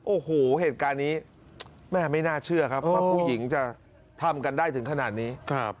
โอ้โหเหตุการณ์นี้แม่ไม่น่าเชื่อครับว่าผู้หญิงจะทำกันได้ถึงขนาดนี้